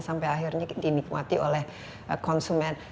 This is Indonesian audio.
sampai akhirnya dinikmati oleh konsumen